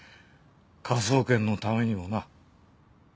科捜研のためにもな。